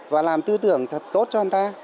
và làm tư tưởng thật tốt cho người ta